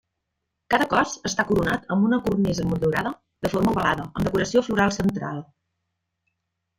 Cada cos està coronat amb una cornisa motllurada de forma ovalada, amb decoració floral central.